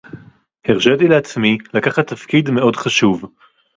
הרשיתי לעצמי לקחת תפקיד מאוד חשוב